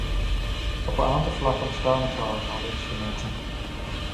Op een aantal vlakken bestaan er trouwens al instrumenten.